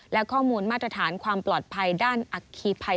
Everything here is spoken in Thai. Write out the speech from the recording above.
และข้อมูลมาตรฐานความปลอดภัยด้านอัคคีภัย